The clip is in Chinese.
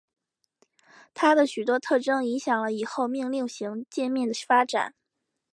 它的许多特征影响了以后命令行界面的发展。